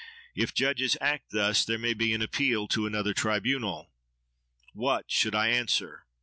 If judges act thus, there may be an appeal to another tribunal.' What should I answer?